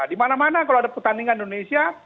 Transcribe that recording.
dimana mana kalau ada pertandingan di indonesia